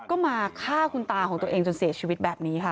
ก็มาฆ่าคุณตาของตัวเองจนเสียชีวิตแบบนี้ค่ะ